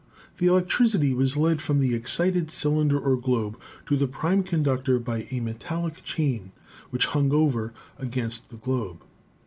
The electricity was led from the excited cylinder or globe to the prime conductor by a metallic chain which hung over against the globe.